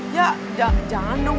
ya jangan dong